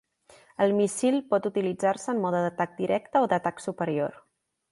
El míssil pot utilitzar-se en mode d'atac directe o d'atac superior.